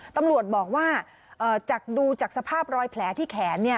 ตำรวจบอกว่าจากดูจากสภาพรอยแผลที่แขน